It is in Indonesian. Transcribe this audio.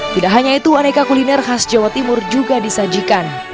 tidak hanya itu aneka kuliner khas jawa timur juga disajikan